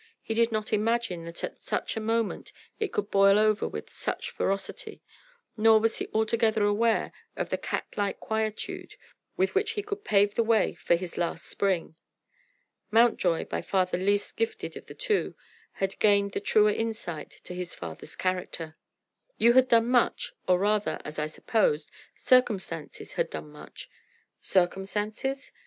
He did not imagine that at such a moment it could boil over with such ferocity; nor was he altogether aware of the cat like quietude with which he could pave the way for his last spring. Mountjoy, by far the least gifted of the two, had gained the truer insight to his father's character. "You had done much, or rather, as I supposed, circumstances had done much." "Circumstances?"